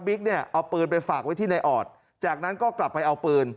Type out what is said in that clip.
เนี่ยเอาปืนไปฝากไว้ที่ในออดจากนั้นก็กลับไปเอาปืน